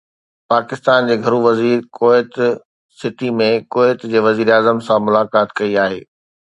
پاڪستان جي گهرو وزير ڪويت سٽي ۾ ڪويت جي وزيراعظم سان ملاقات ڪئي آهي